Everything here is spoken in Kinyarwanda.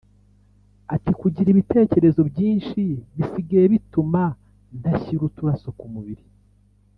Ati”Kugira ibitekerezo byinshi bisigaye bituma ntashyira uturaso ku mubiri